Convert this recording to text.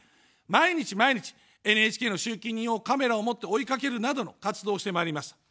毎日毎日、ＮＨＫの集金人をカメラを持って追いかけるなどの活動をしてまいります。